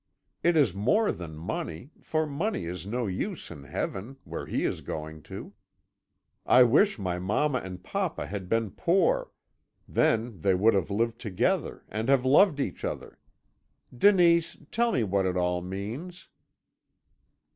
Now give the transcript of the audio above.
It is more than money, for money is no use in Heaven, where he is going to. I wish my mamma and papa had been poor; then they would have lived together and have loved each other. Denise, tell me what it all means.'